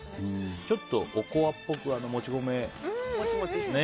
ちょっとおこわっぽくもち米でね。